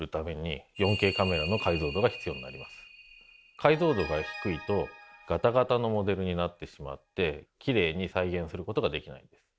解像度が低いとガタガタのモデルになってしまってきれいに再現することができないんです。